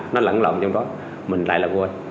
nó lẫn lộn trong đó mình lại là quên